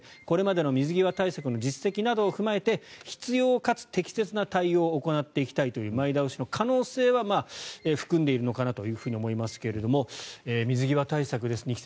これまでの水際対策の実績などを踏まえて必要かつ適切な対応を行っていきたいという前倒しの可能性は含んでいるのかなと思いますが水際対策です